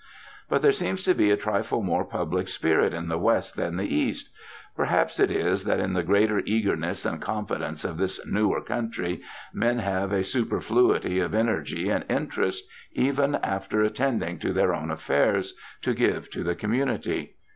But there seems to be a trifle more public spirit in the West than the East. Perhaps it is that in the greater eagerness and confidence of this newer country men have a superfluity of energy and interest, even after attending to their own affairs, to give to the community.